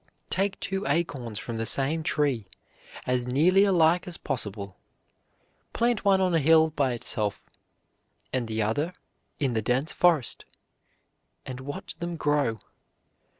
Take two acorns from the same tree, as nearly alike as possible; plant one on a hill by itself, and the other in the dense forest, and watch them grow.